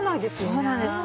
そうなんです。